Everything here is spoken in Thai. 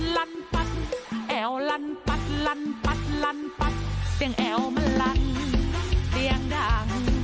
แล้วก็รายการกำลังข่าวพาย่านยืน